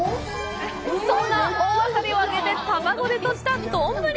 そんな大あさりを揚げて卵でとじた丼！